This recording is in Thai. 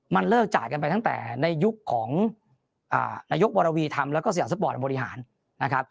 มันเลิกจ่ายกันไปตั้งแต่ในยุคของนายกวรวีธรรมแล้วก็สยามสปอร์ตบริหารนะครับ